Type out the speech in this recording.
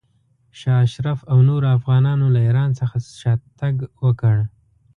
شاه اشرف او نورو افغانانو له ایران څخه شاته تګ وکړ.